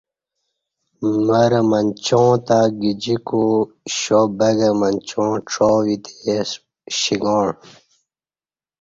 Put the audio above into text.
مرمنچاں تہ گجیکوشابگہ منچاں چاوی تےشݩگاع